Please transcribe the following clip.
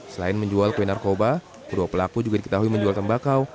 selain menjual kue narkoba kedua pelaku juga diketahui menjual tembakau